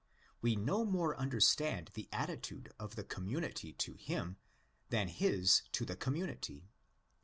We no more understand the attitude of the community to him than his to the community.